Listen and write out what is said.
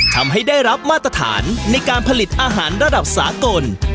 ทำให้ได้รับมาตรฐานในการผลิตอาหารระดับสากล